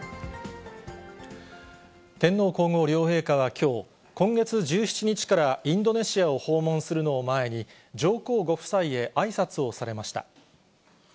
天皇皇后両陛下はきょう、今月１７日からインドネシアを訪問するのを前に、上皇ご夫妻へあいさつをされました。